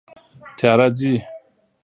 تیاره ځي